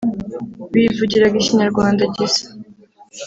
bivugiraga Ikinyarwanda gisa